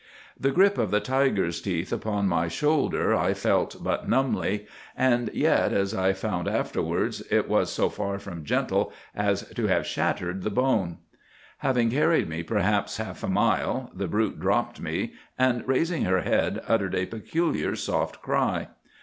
"'The grip of the tiger's teeth upon my shoulder I felt but numbly; and yet, as I found afterwards, it was so far from gentle as to have shattered the bone. "'Having carried me perhaps half a mile, the brute dropped me, and raising her head uttered a peculiar, soft cry.